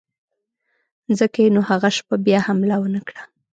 ځکه یې نو هغه شپه بیا حمله ونه کړه.